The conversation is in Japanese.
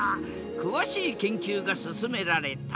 詳しい研究が進められた。